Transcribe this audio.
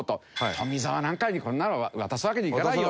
富澤なんかにこんなの渡すわけにいかないよって。